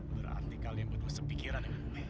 berarti kalian berdua sepikiran ya